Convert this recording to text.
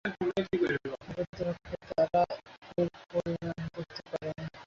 প্রকৃতপক্ষে তারা এর পরিণাম বুঝতে পারেনি।